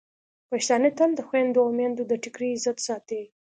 پښتانه تل د خویندو او میندو د ټکري عزت ساتي.